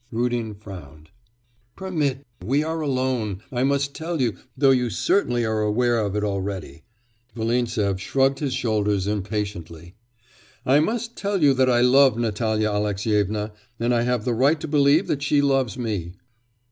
Rudin frowned. 'Permit... we are alone... I must tell you though you certainly are aware of it already (Volintsev shrugged his shoulders impatiently) I must tell you that I love Natalya Alexyevna, and I have the right to believe that she loves me.